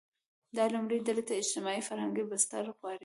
دا لومړۍ ډلې ته اجتماعي – فرهنګي بستر غوړوي.